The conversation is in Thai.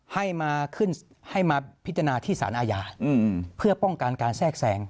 ให้มาขึ้นให้มาพิจารณาที่สารอาญาเพื่อป้องกันการแทรกแทรง